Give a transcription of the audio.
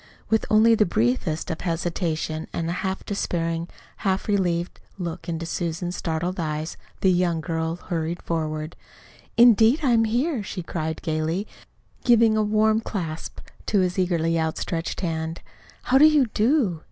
With only the briefest of hesitations and a half despairing, half relieved look into Susan's startled eyes, the young girl hurried forward. "Indeed I'm here," she cried gayly, giving a warm clasp to his eagerly outstretched hand "How do you do?